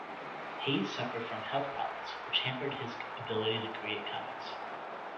Hayes suffered from health problems which hampered his ability to create comics.